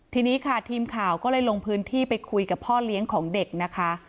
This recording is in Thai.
ทีนี้ค่ะทีมข่าวก็เลยลงพื้นที่ไปคุยกับพ่อเลี้ยงของเด็กนะคะ